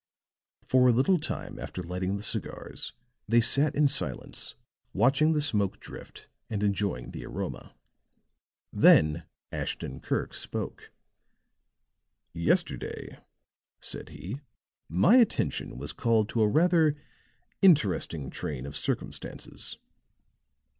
For a little time after lighting the cigars they sat in silence watching the smoke drifts and enjoying the aroma. Then Ashton Kirk spoke. "Yesterday," said he, "my attention was called to a rather interesting train of circumstances."